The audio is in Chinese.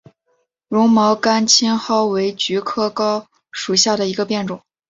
绒毛甘青蒿为菊科蒿属下的一个变种。